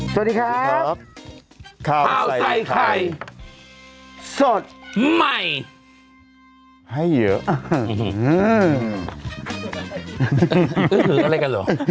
สวัสดีครับสวัสดีครับข้าวใส่ไข่สดใหม่ให้เยอะ